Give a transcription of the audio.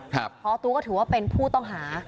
พอตู้ก็ถือว่าเป็นผู้ต้องหา